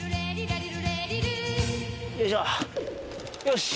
よし。